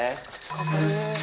頑張れ。